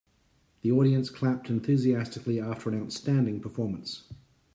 The audience clapped enthusiastically after an outstanding performance.